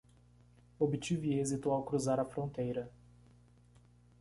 Obtive êxito ao cruzar a fronteira